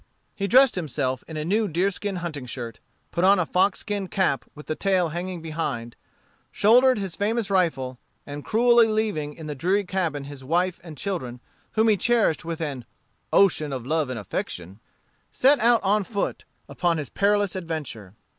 He dressed himself in a new deerskin hunting shirt, put on a foxskin cap with the tail hanging behind, shouldered his famous rifle, and cruelly leaving in the dreary cabin his wife and children whom he cherished with an "ocean of love and affection," set out on foot upon his perilous adventure.